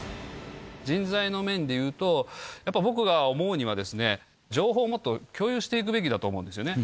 人材の面で言うと、やっぱ僕が思うにはですね、情報をもっと共有していくべきだと思うんですよね。